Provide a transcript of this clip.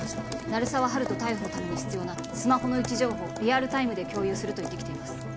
鳴沢温人逮捕のために必要なスマホの位置情報をリアルタイムで共有すると言ってきています